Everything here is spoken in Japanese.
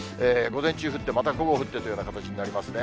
午前中降って、また午後降ってというような形になりますね。